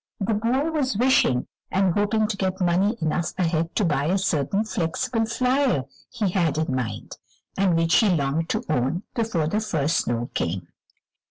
The boy was wishing and hoping to get money enough ahead to buy a certain "Flexible Flyer" he had in mind, and which he longed to own before the first snow came.